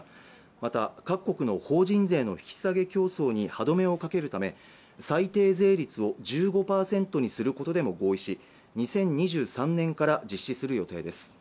また各国の法人税の引き下げ競争に歯止めをかけるため最低税率を１５％にすることでも合意し２０２３年から実施する予定です